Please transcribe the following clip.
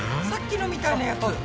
さっきのみたいなやつ！